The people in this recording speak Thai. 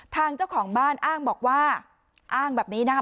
ทางเจ้าของบ้านอ้างบอกว่าอ้างแบบนี้นะคะ